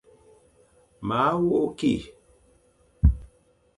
Maa wok ki.